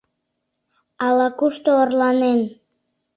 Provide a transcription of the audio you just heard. «Ала-кушто, орланен